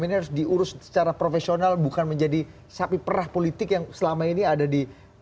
ini harus diurus secara profesional bukan menjadi sapi perah politik yang selama ini ada di